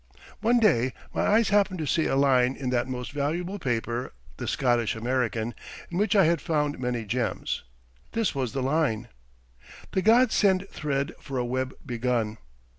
One day my eyes happened to see a line in that most valuable paper, the "Scottish American," in which I had found many gems. This was the line: "The gods send thread for a web begun."